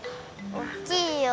おっきいよ！